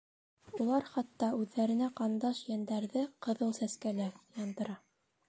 Улар хатта үҙҙәренә ҡандаш йәндәрҙе Ҡыҙыл Сәскәлә... яндыра.